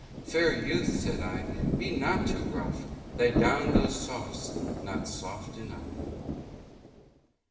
Fair youth (said I) be not too rough, Thy down though soft's not soft enough.